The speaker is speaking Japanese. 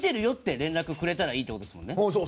連絡くれたらいいってことですよね。